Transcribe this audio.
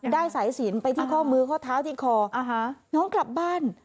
ได้สายสินไปที่ข้อมือข้อเท้าที่คอน้องกลับบ้าน